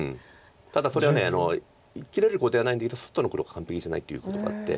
ただそれは切れることはないんだけど外の黒完璧じゃないということがあって。